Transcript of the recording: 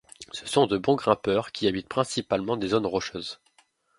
Ce sont de bon grimpeurs qui habitent principalement des zones rocheuses.